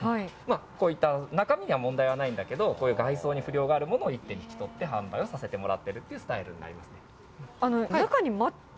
こういった、中身は問題ないんだけども、こういう外装に不良があるものをいってに引き取って販売をさせてもらっているっていうスタイルになります。